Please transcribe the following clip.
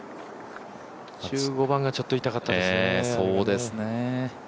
１５番がちょっと痛かったですね。